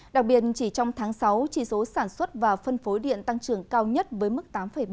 đặc biệt chỉ trong tháng sáu chỉ số sản xuất và phân phối điện tăng trưởng cao nhất với mức tám bảy